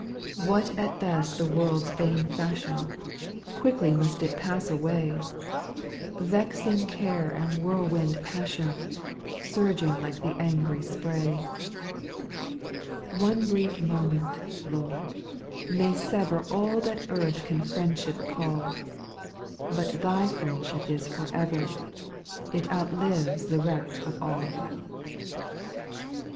6. What at best the world's vain fashion ? Quickly it must past away ; Vexing care and whirlwind passion, Surging like the angry spray. • 7. ( One brief moment, Lord, may sever All that earth can friendship call ; But Thy friendship is for ever, It outlives the wreck of all.